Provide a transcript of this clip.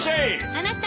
あなた！